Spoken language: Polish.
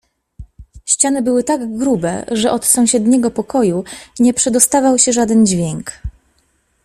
"Ściany były tak grube, że od sąsiedniego pokoju nie przedostawał się żaden dźwięk."